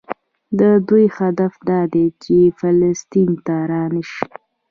د دوی هدف دا دی چې فلسطین ته رانشي.